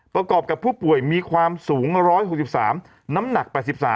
ประกอบกับผู้ป่วยมีความสูง๑๖๓น้ำหนัก๘๓